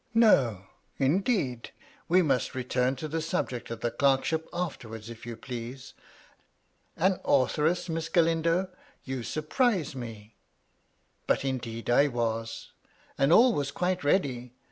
"" No, indeed ; we must return to the subject of the clerkship afterwards, if you please. An authoress. Miss Galindo ! You surprise me !"" But, indeed, I was. All was quite ready.